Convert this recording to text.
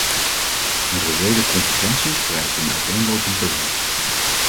Een reële convergentie vereist een uiteenlopend beleid.